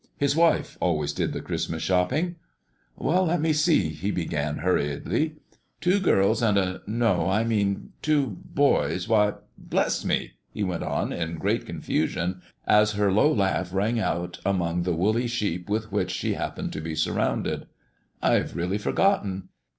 His wife always did the Christmas shopping. "Let me see," he began hurriedly; "two girls and a no, I mean two boys why, bless me," he went on in great confusion, as her low laugh rang out among the woolly sheep with which she happened to be surrounded, "I've really forgotten.